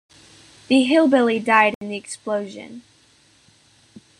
The hillbilly died in the explosion.